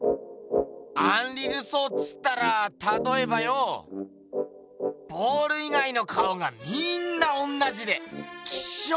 アンリ・ルソーつったらたとえばよボール以外の顔がみんな同じでキショ！